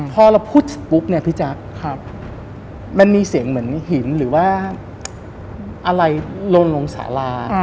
พอเราพูดเสร็จปุ๊บมันมีเสียงเหมือนหินหรือว่าอะไรลงสาลา